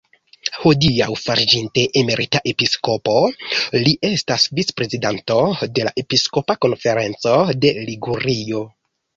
Hodiaŭ, fariĝinte emerita episkopo, li estas vicprezidanto de la "Episkopa konferenco de Ligurio".